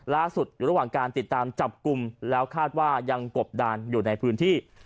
อยู่ระหว่างการติดตามจับกลุ่มแล้วคาดว่ายังกบดานอยู่ในพื้นที่